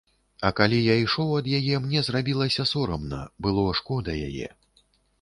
А калі я ішоў ад яе, мне зрабілася сорамна, было шкода яе.